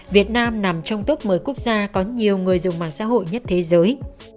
việt nam nằm trong top một mươi quốc gia có nhiều người dùng mạng xã hội nhất thế giới